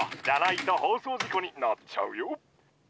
じゃないと放送事故になっちゃうよ。